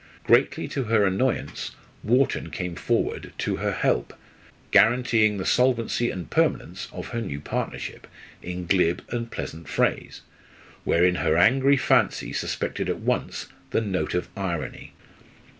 Greatly to her annoyance, Wharton came forward to her help, guaranteeing the solvency and permanence of her new partnership in glib and pleasant phrase, wherein her angry fancy suspected at once the note of irony.